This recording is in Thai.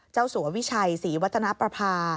เจ้าสววิชัยศรีวัตนประพา